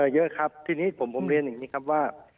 เยอะครับทีนี้ผมเรียนอย่างนี้ครับว่า